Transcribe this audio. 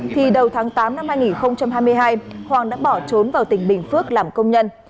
thì đầu tháng tám năm hai nghìn hai mươi hai hoàng đã bỏ trốn vào tỉnh bình phước làm công nhân